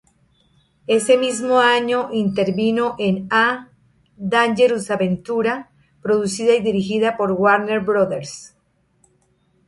Ese mismo año intervino en "A Dangerous Adventure", producida y dirigida por Warner Brothers.